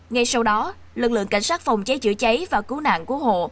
ngay sau đó lực lượng cảnh sát phòng cháy chữa cháy và cứu nạn cứu hộ